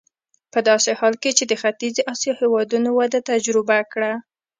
په داسې حال کې چې د ختیځې اسیا هېوادونو وده تجربه کړه.